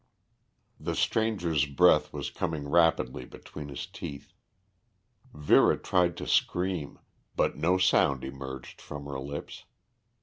The stranger's breath was coming rapidly between his teeth. Vera tried to scream, but no sound emerged from her lips.